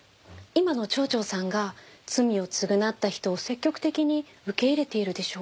今の町長さんが罪を償った人を積極的に受け入れているでしょう。